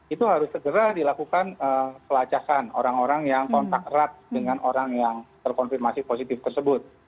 itu harus segera dilakukan pelacakan orang orang yang kontak erat dengan orang yang terkonfirmasi positif tersebut